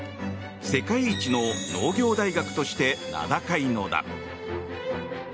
世界一の農業大学として名高いのだ。